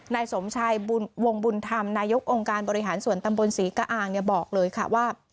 นายสมชายวงบุญธรรมนายกองค์การบริหารส่วนตำบลศรีกะอางบอกเลยค่ะว่า